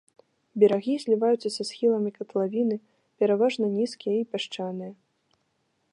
Берагі зліваюцца са схіламі катлавіны, пераважна нізкія і пясчаныя.